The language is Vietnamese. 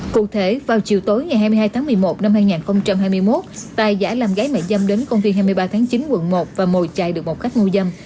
cụ thể vào chiều tối ngày hai mươi hai tháng một mươi một năm hai nghìn hai mươi một tài giả làm gái mẹ dâm đến công viên hai mươi ba tháng chín quận một và mồi chạy được một khách ngu dâm